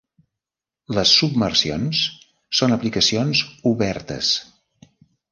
Les submersions són aplicacions obertes.